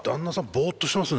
ボっとしてますね。